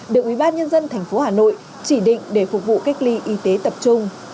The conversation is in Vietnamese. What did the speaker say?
được ubnd thành phố hà nội chỉ định để phục vụ cách ly y tế tập trung